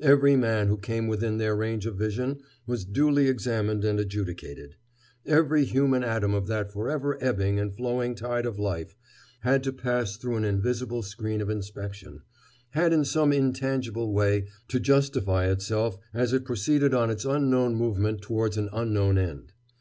Every man who came within their range of vision was duly examined and adjudicated. Every human atom of that forever ebbing and flowing tide of life had to pass through an invisible screen of inspection, had in some intangible way to justify itself as it proceeded on its unknown movement towards an unknown end.